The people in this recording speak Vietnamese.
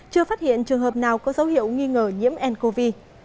chưa phát hiện trường hợp nào có dấu hiệu nghi ngờ nhiễm ncov